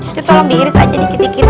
itu tolong diiris aja dikit dikit